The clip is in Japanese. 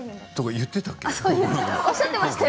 言ってましたっけ？